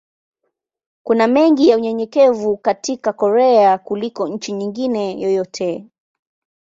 Kuna mengi ya unyenyekevu katika Korea kuliko nchi nyingine yoyote.